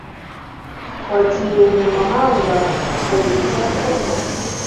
Wagiye Mu mahanga gusabiriza koko ,